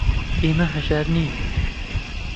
ئێمە هەژار نین.